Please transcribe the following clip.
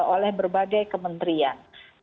oleh berbagai kementerian